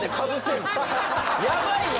やばいよ。